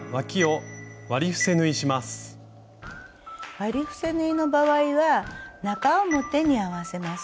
割り伏せ縫いの場合は中表に合わせます。